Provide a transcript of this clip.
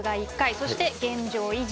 そして現状維持。